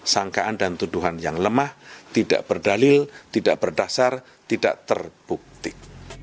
sangkaan dan tuduhan yang lemah tidak berdalil tidak berdasar tidak terbukti